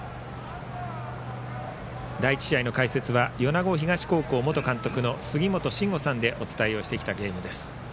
第１試合の解説は米子東高校元監督の杉本真吾さんでお伝えをしてきたゲームです。